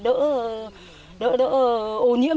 đỡ ô nhiễm